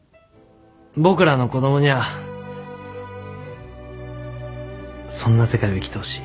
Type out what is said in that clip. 僕らの子供にゃあそんな世界を生きてほしい。